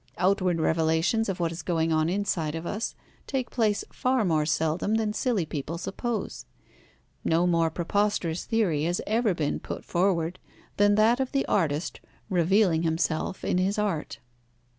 Outward revelations of what is going on inside of us take place far more seldom than silly people suppose. No more preposterous theory has ever been put forward than that of the artist revealing himself in his art.